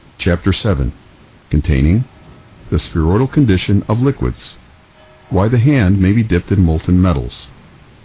CHAPTER SEVEN THE SPHEROIDAL CONDITION OF LIQUIDS. WHY THE HAND MAY BE DIPPED IN MOLTEN METALS.